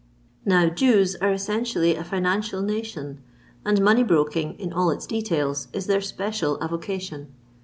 Now Jews are essentially a financial nation; and money broking, in all its details, is their special avocation.